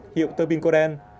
hiệu tơ binh cô đen